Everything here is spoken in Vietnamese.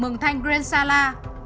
mường thanh grand sala